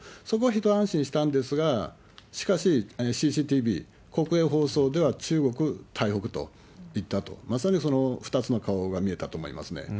そこは一安心したんですが、しかし、ＣＣＴＢ国営放送では中国台北といったと。まさにその２つの顔が見えたと思いますね。